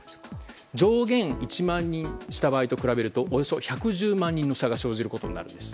上限１万人にした場合と比べるとおよそ１１０万人の差が生じることになるんです。